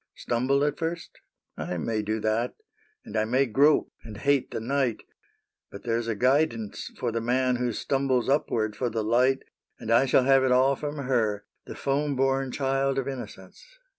^^ Stumble at first ? I may do that ; And I may grope, and hate the night ; But there 's a guidance for the man Who stumbles upward for the light, " And I shall have it all from her. The foam born child of innocence.